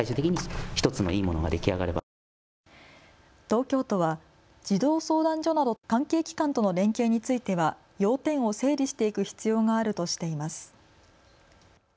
東京都は児童相談所など関係機関との連携については要点を整理していく必要があるとしています。